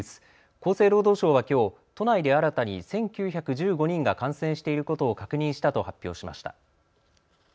厚生労働省はきょう都内で新たに１９１５人が感染していることを確認したと発表しました。